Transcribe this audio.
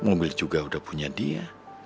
memilih juga udah punya dia